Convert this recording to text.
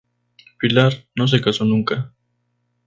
Pilar no se casó nunca.